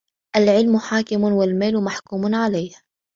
الْعِلْمُ حَاكِمٌ وَالْمَالُ مَحْكُومٌ عَلَيْهِ